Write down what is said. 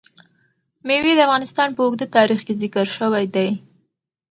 مېوې د افغانستان په اوږده تاریخ کې ذکر شوی دی.